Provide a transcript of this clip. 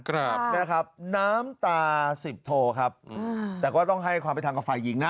ครับนะครับน้ำตาสิบโทครับอืมแต่ก็ต้องให้ความเป็นธรรมกับฝ่ายหญิงนะ